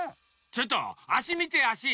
ちょっとあしみてあし。